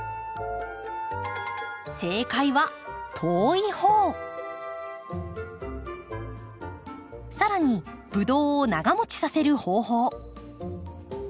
正解はさらにブドウを長もちさせる方法。